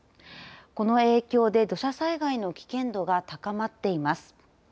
この影響で土砂災害の危険度が高まっています。